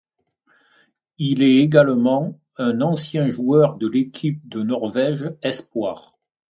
Il est également un ancien joueur de l’équipe de Norvège Espoir.